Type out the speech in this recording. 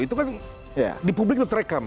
itu kan di publik itu terekam